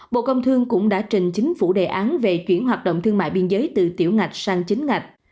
bộ công thương cũng đã trình chính phủ đề án về chuyển hoạt động thương mại biên giới từ tiểu ngạch sang chính ngạch